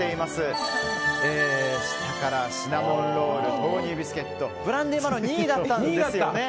下からシナモンロール豆乳ビスケットブランデーマロンは２位だったんですよね。